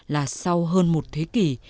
là sau hơn một thế kỷ